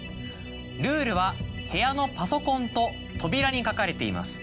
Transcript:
ルールは部屋のパソコンと扉に書かれています。